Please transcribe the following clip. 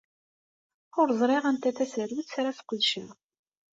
Ur ẓriɣ anta tasarut ara sqedceɣ.